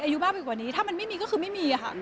อายุมากไปกว่านี้ถ้ามันไม่มีก็คือไม่มีค่ะ